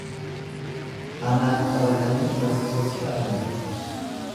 Anaan qabatanii bassoo siphatani.